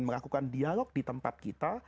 melakukan dialog di tempat kita